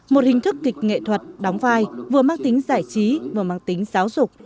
một hình thức kịch nghệ thuật đóng vai vừa mang tính giải trí vừa mang tính giáo dục